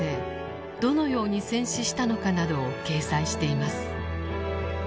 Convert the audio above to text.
どのように戦死したのかなどを掲載しています。